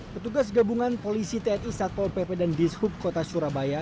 petugas gabungan polisi tni satpol pp dan dishub kota surabaya